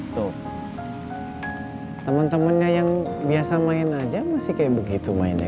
tuh teman temannya yang biasa main aja masih kayak begitu mainnya